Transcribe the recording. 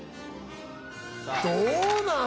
どうなの？